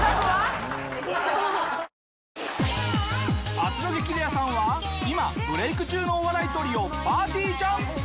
明日の『激レアさん』は今ブレーク中のお笑いトリオぱーてぃーちゃん。